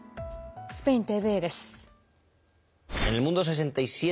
スペインＴＶＥです。